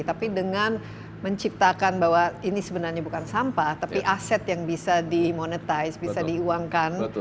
tapi dengan menciptakan bahwa ini sebenarnya bukan sampah tapi aset yang bisa dimonetize bisa diuangkan